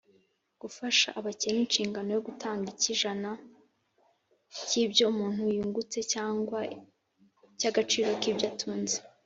gufasha abakene inshingano yo gutanga icy’ijana cy’ibyo umuntu yungutse cyangwa cy’agaciro k’ibyo atunze